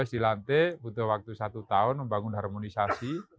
dua ribu enam belas dilantik butuh waktu satu tahun membangun harmonisasi